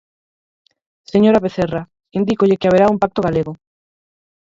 Señora Vecerra, indícolle que haberá un pacto galego.